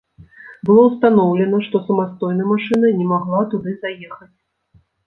Было ўстаноўлена, што самастойна машына не магла туды заехаць.